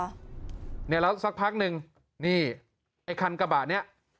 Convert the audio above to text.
เนี่ยแล้วสักพักนึงนี่ไอ้คันกระบะนี้